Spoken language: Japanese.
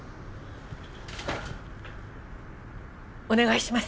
お願いします！